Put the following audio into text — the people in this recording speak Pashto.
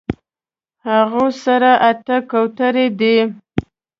هغوی سره اتۀ کوترې دي